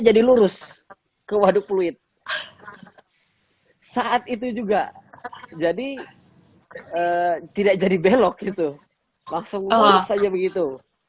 jadi lurus ke waduk kulit saat itu juga jadi tidak jadi belok itu langsung saja begitu